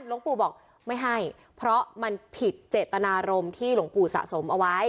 หลวงปู่บอกไม่ให้เพราะมันผิดเจตนารมณ์ที่หลวงปู่สะสมเอาไว้